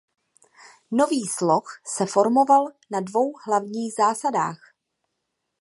Nový sloh se formoval na dvou hlavních zásadách.